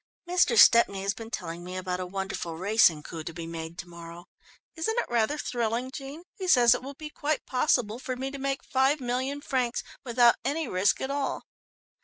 "Mr. Stepney has been telling me about a wonderful racing coup to be made to morrow. Isn't it rather thrilling, Jean? He says it will be quite possible for me to make five million francs without any risk at all."